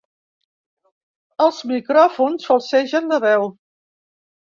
Els micròfons falsegen la veu.